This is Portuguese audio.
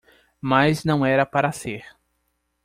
Mas não era para ser.